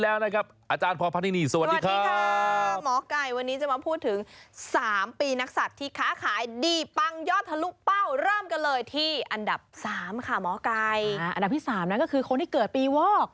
อันดับที่๓ก็คือคนที่เกิดปีวอก